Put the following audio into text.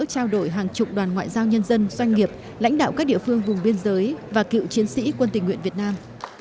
trao đổi hàng chục đoàn ngoại giao nhân dân doanh nghiệp lãnh đạo các địa phương vùng biên giới và cựu chiến sĩ quân tình nguyện việt nam